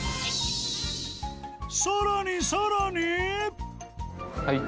［さらにさらに］はい。